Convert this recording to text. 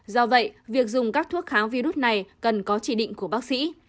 do vậy việc dùng các thuốc kháng virus này cần có chỉ định của bác sĩ